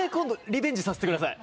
リベンジさせてください。